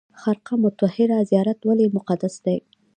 خرقه مطهره زیارت ولې مقدس دی؟